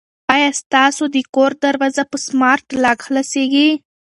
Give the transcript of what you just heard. آیا ستاسو د کور دروازه په سمارټ لاک خلاصیږي؟